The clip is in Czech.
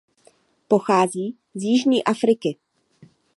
Pochází z jižní Afriky.